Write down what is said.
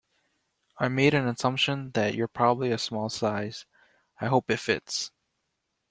I made an assumption that you're probably a small size, I hope it fits!.